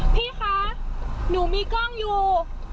พี่คะหนูมีกล้องอยู่